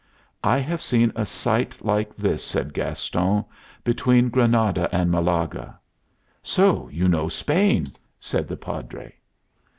"I have seen a sight like this," said Gaston, "between Granada and Malaga." "So you know Spain!" said the Padre.